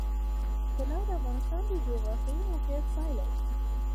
طلا د افغانستان د جغرافیایي موقیعت پایله ده.